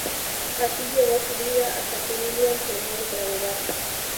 Así llevo su vida hasta que un día enfermó de gravedad.